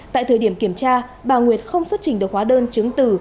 tại thời điểm kiểm tra bà nguyệt không xuất trình được hóa đơn chứng từ